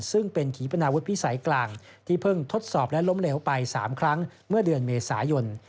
ซึ่งเป็นขีปนาวุฒิพิสัยกลางที่เพิ่งทดสอบและล้มเหลวไป๓ครั้งเมื่อเดือนเมษายน